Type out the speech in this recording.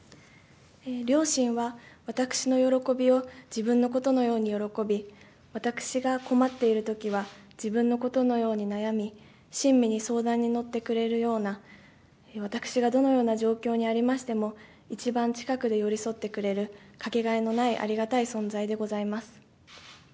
両親は私の喜びを自分のことのように喜び、私が困っているときは、自分のことのように悩み、親身に相談に乗ってくれるような、私がどのような状況にありましても、一番近くで寄り添ってくれる、掛けがえのないありがたい存在でございます。